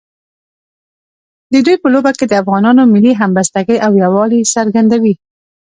د دوی په لوبو کې د افغانانو ملي همبستګۍ او یووالي څرګندوي.